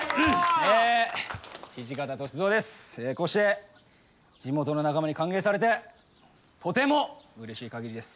こうして地元の仲間に歓迎されてとてもうれしい限りです。